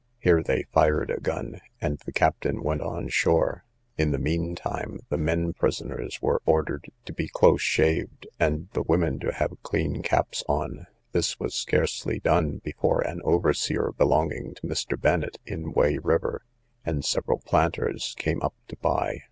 Here they fired a gun, and the captain went on shore; in the mean time the men prisoners were ordered to be close shaved, and the women to have clean caps on: this was scarcely done, before an overseer belonging to Mr. Bennet, in Way river, and several planters, came up to buy.